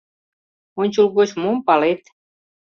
Ончылгоч мом палет?..